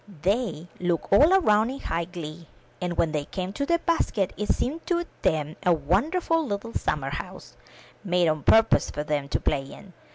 They 275 MY BOOK HOUSE looked all around in high glee, and when they came to the basket it seemed to them a wonderful little summer house, made on purpose for them to play in.